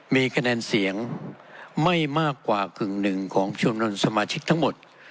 มีคะแนนเสียงไม่มากกว่ากึ่งหนึ่งของชมนุนสมาชิกทั้งหมด